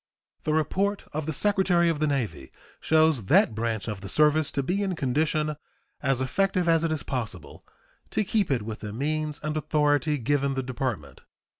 The report of the Secretary of the Navy shows that branch of the service to be in condition as effective as it is possible to keep it with the means and authority given the Department.